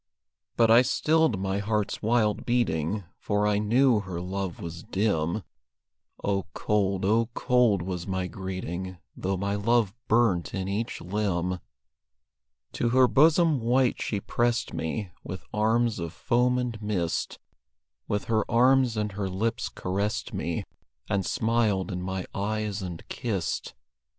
But I stilled my heart's wild beating, For I knew her love was dim; Oh, cold, oh, cold was my greeting, Though my love burnt in each limb. To her bosom white she pressed me With arms of foam and mist; With her arms and her lips caressed me, And smiled in my eyes and kissed.